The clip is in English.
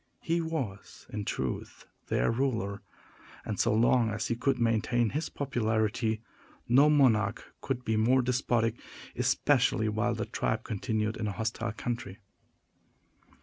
He was, in truth, their ruler; and, so long as he could maintain his popularity, no monarch could be more despotic, especially while the tribe continued in a hostile country.